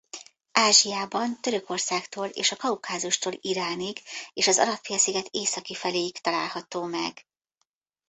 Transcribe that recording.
Ázsiában Törökországtól és a Kaukázustól Iránig és az Arab-félsziget északi feléig található meg.